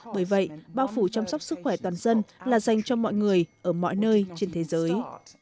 bởi vậy bao phủ chăm sóc sức khỏe toàn dân là dành cho mọi người ở mọi nơi trên thế giới